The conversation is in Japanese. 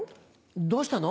どうしたの？